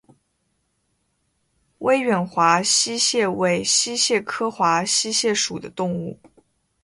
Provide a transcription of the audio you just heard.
威远华溪蟹为溪蟹科华溪蟹属的动物。